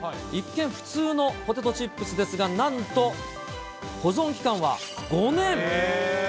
一見、普通のポテトチップスですが、なんと、保存期間は５年。